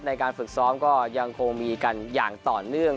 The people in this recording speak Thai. ในการฝึกซ้อมก็ยังคงมีกันอย่างต่อเนื่อง